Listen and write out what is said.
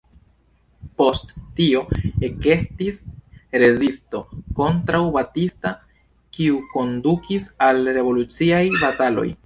Post tio ekestis rezisto kontraŭ Batista, kiu kondukis al revoluciaj bataloj.